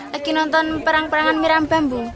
lagi nonton perang perangan miram bambu